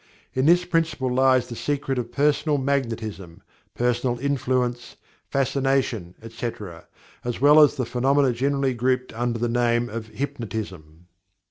In this principle lies the secret of personal magnetism, personal influence, fascination, etc., as well as the phenomena generally grouped under the name of Hypnotism.